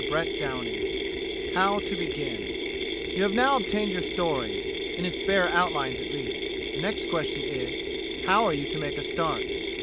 CHAPTER III HOW TO BEGIN You have now obtained your story in its bare outlines, at least. The next question is, How are you to make a start?